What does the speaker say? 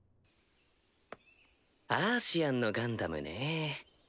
アーシアンのガンダムねぇ。